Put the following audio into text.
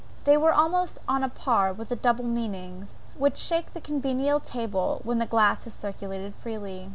They were almost on a par with the double meanings, which shake the convivial table when the glass has circulated freely.